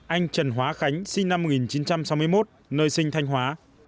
anh trần hóa khánh sinh năm một nghìn chín trăm sáu mươi một nơi sinh thanh hóa